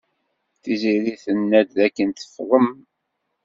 Tiziri tenna-d dakken tefḍem.